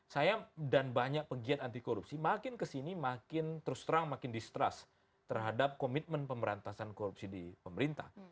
saya dan banyak pegiat anti korupsi makin kesini makin terus terang makin distrust terhadap komitmen pemberantasan korupsi di pemerintah